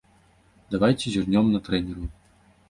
Давайце зірнём на трэнераў.